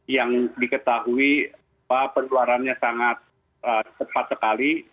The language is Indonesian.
yang diketahui penularannya sangat cepat sekali